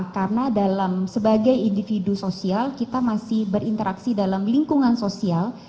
karena dalam sebagai individu sosial kita masih berinteraksi dalam lingkungan sosial